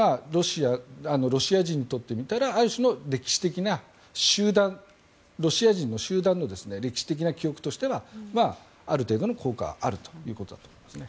ロシア人にとってみたらある種の歴史的なロシア人の集団の歴史的な記憶としてはある程度の効果はあると思いますね。